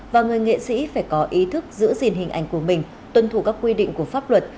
và người nghệ sĩ phải có ý thức giữ gìn hình ảnh của mình tuân thủ các quy định của pháp luật